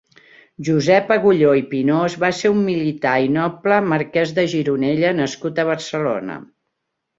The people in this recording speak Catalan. Josep Agulló i Pinós va ser un militar i noble Marquès de Gironella nascut a Barcelona.